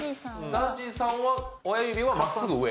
ＺＡＺＹさんは親指はまっすぐ上。